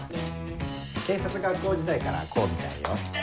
警察学校時代からこうみたいよ。